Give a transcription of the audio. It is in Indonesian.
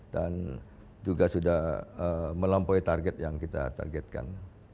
dan juga sudah melampaui target yang kita targetkan